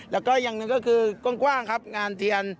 แล้วก็อย่างหนึ่งก็คือกว้างครับงานเทียน